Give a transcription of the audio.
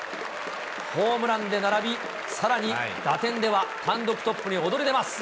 ホームランで並び、さらに打点では単独トップに躍り出ます。